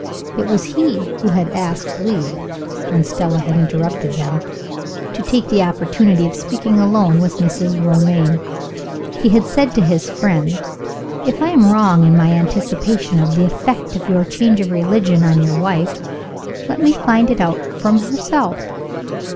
It was he who had asked leave (when Stella had interrupted them) to take the opportunity of speaking alone with Mrs. Romayne. He had said to his friend, "If I am wrong in my anticipation of the effect of your change of religion on your wife, let me find it out from herself.